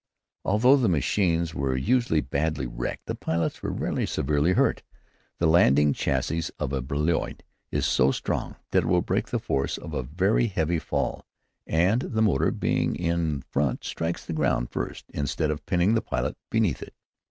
Although the machines were usually badly wrecked, the pilots were rarely severely hurt. The landing chassis of a Blériot is so strong that it will break the force of a very heavy fall, and the motor, being in front, strikes the ground first instead of pinning the pilot beneath it.